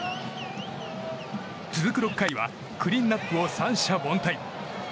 続く６回はクリーンアップを三者凡退。